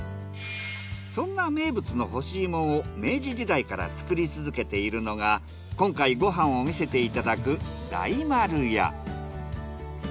そんな名物の干し芋を明治時代から作り続けているのが今回ご飯を見せていただく大丸屋。